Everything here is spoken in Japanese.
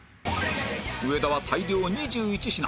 上田は大量２１品